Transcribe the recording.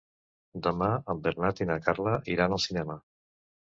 Demà en Bernat i na Carla iran al cinema.